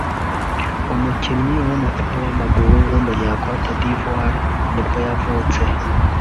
umukinnyi w’umupira w’amaguru w’umunya-Cote D’ivoire ni bwo yavutse